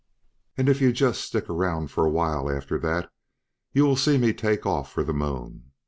"And, if you just stick around for a while after that, you will see me take off for the Moon.